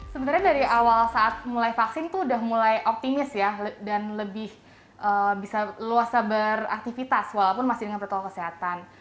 sebenarnya dari awal saat mulai vaksin itu sudah mulai optimis ya dan lebih bisa luas sabar aktivitas walaupun masih dengan protokol kesehatan